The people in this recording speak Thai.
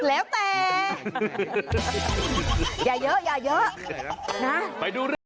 แล้วแต่อย่าเยอะอย่าเยอะนะไปดูเรื่อง